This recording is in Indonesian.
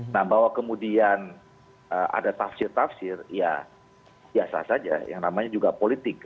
nah bahwa kemudian ada tafsir tafsir ya biasa saja yang namanya juga politik